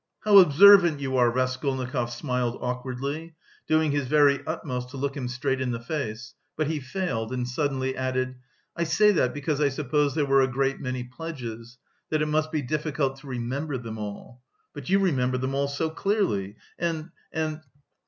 "How observant you are!" Raskolnikov smiled awkwardly, doing his very utmost to look him straight in the face, but he failed, and suddenly added: "I say that because I suppose there were a great many pledges... that it must be difficult to remember them all.... But you remember them all so clearly, and... and..."